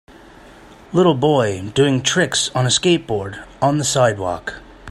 Little boy doing tricks on a skateboard on the sidewalk.